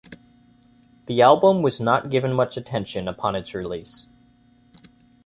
The album was not given much attention upon its release.